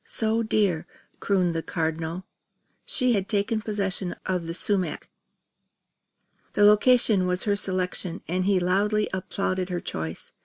So dear!" crooned the Cardinal She had taken possession of the sumac. The location was her selection and he loudly applauded her choice.